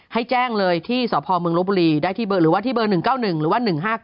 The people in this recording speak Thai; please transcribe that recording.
ให้แจ้งเลยที่สมโรบุรีได้ที่เบอร์๑๙๑หรือว่า๑๕๙๙